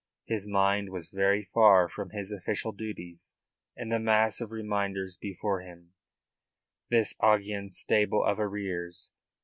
His mind was very far from his official duties and the mass of reminders before him this Augean stable of arrears.